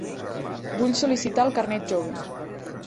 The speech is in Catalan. Vull sol·licitar el carnet jove.